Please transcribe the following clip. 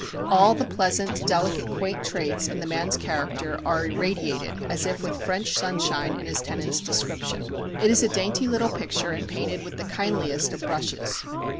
All the pleasant delicate quaint traits in the man's character are irradiated as if with French sunshine in his tenant's description. It is a dainty little picture and painted with the kindliest of brushes.